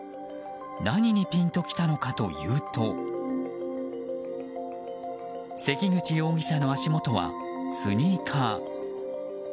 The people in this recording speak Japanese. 何にピンときたのかというと関口容疑者の足元はスニーカー。